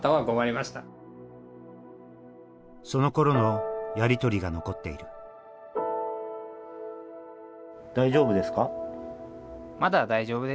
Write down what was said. そのころのやり取りが残っている「大丈夫ですか？」。